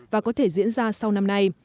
và có thể diễn ra sau năm nay